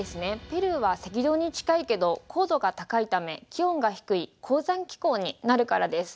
ペルーは赤道に近いけど高度が高いため気温が低い高山気候になるからです。